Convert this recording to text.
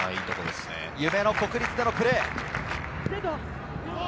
夢の国立でのプレー。